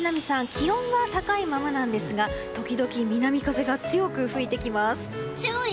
気温は高いままなんですが時々、南風が強く吹いてきます。